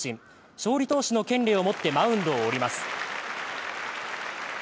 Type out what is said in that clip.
勝利投手の権利を持ってマウンドを降ります。